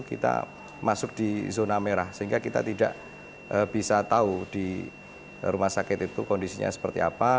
kita masuk di zona merah sehingga kita tidak bisa tahu di rumah sakit itu kondisinya seperti apa